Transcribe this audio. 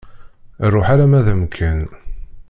Ruḥ alamma d amkan.